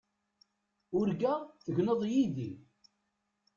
Urgaɣ tegneḍ yid-i.